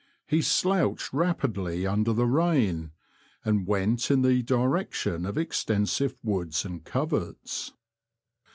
He slouched rapidly under the rain, and went in the direction of extensive woods and coverts.